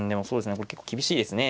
これ結構厳しいですね。